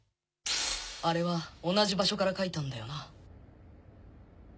あれは同じ場所から描いたんだよな。